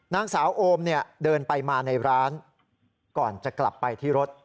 นางสาวโอมเนี่ยเดินไปมาในร้านก่อนจะกลับไปที่รถ